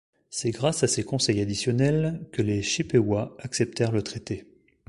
C'est grâce à ces conseils additionnels que les Chippewa acceptèrent le traité.